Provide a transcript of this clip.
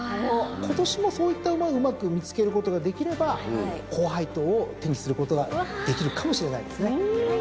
今年もそういった馬をうまく見つけることができれば高配当を手にすることができるかもしれないですね。